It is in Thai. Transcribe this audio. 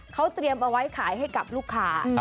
เขาเตรียมเอาไว้ขายให้กับลูกค้า